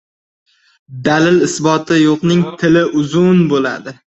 • Dalil-isboti yo‘qning tili uzun bo‘ladi.